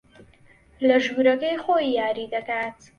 لە ژوورەکەی خۆی یاری دەکات.